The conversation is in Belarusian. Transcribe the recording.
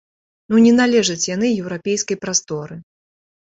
Ну не належаць яны еўрапейскай прасторы.